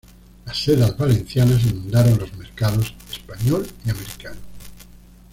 Las sedas valencianas inundaron los mercados español y americano.